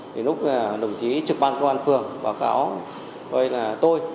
lúc đồng chí trực ban công an phường báo cáo gọi là tôi